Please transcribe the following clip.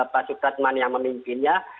pak supratman yang memimpinnya